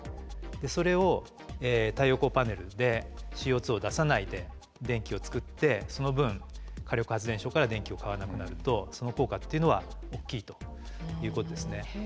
それを太陽光パネルでＣＯを出さないで電気を作ってその分火力発電所から電気を買わなくなるとその効果っていうのは大きいということですね。